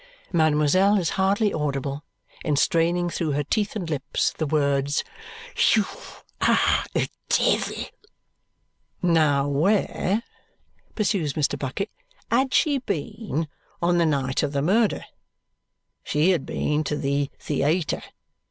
Mademoiselle is hardly audible in straining through her teeth and lips the words, "You are a devil." "Now where," pursues Mr. Bucket, "had she been on the night of the murder? She had been to the theayter.